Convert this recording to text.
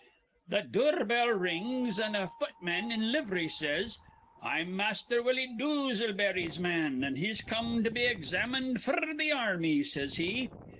"Th' dure bell rings, an' a futman in liv'ry says: 'I'm Master Willie Dooselbery's man, an' he's come to be examined f'r th' army,' says he.